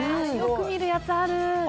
よく見るやつある。